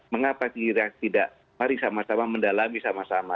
mengapa tidak mari sama sama mendalami sama sama